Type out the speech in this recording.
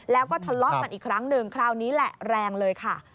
แล้วก็ทะเลาะกันอีกครั้งหนึ่งคราวนี้แหละแรงเลยค่ะ